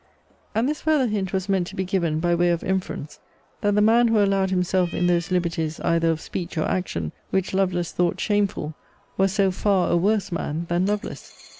And this farther hint was meant to be given, by way of inference, that the man who allowed himself in those liberties either of speech or action, which Lovelace thought shameful, was so far a worse man than Lovelace.